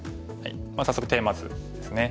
早速テーマ図ですね。